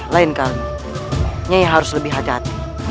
lain kali ini harus lebih hati hati